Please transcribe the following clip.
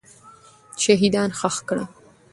شهیدان ښخ کړه.